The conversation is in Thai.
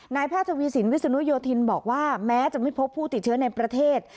แพทย์ทวีสินวิศนุโยธินบอกว่าแม้จะไม่พบผู้ติดเชื้อในประเทศ